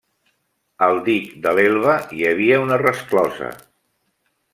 Al dic de l'Elba hi havia una resclosa.